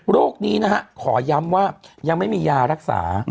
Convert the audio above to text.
นี้นะฮะขอย้ำว่ายังไม่มียารักษา